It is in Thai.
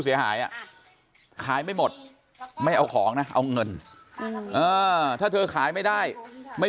เสียหายอ่ะขายไม่หมดไม่เอาของนะเอาเงินถ้าเธอขายไม่ได้ไม่